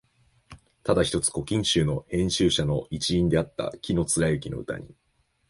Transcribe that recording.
ただ一つ「古今集」の編集者の一員であった紀貫之の歌に、